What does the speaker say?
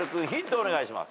お願いします。